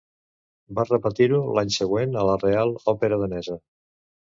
Va repetir-ho l'any següent a la Reial Òpera Danesa.